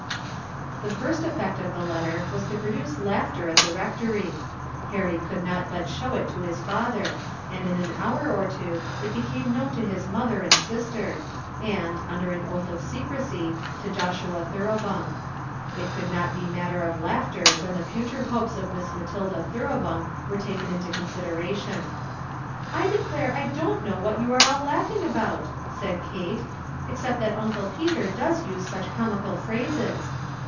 The first effect of the letter was to produce laughter at the rectory. Harry could not but show it to his father, and in an hour or two it became known to his mother and sister, and, under an oath of secrecy, to Joshua Thoroughbung. It could not be matter of laughter when the future hopes of Miss Matilda Thoroughbung were taken into consideration. "I declare I don't know what you are all laughing about," said Kate, "except that Uncle Peter does use such comical phrases."